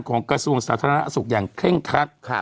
กระทรวงสาธารณสุขอย่างเคร่งคัด